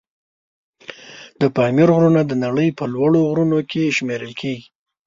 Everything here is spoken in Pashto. د پامیر غرونه د نړۍ په لوړ غرونو کې شمېرل کېږي.